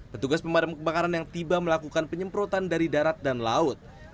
petugas pemadam kebakaran yang tiba melakukan penyemprotan dari darat dan laut